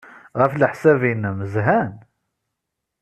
Ɣef leḥsab-nnem, zhan?